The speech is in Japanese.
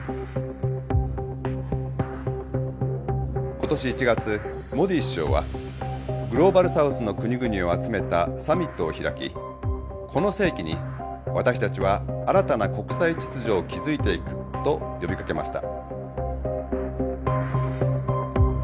今年１月モディ首相はグローバル・サウスの国々を集めたサミットを開きこの世紀に私たちは新たな国際秩序を築いていくと呼びかけました。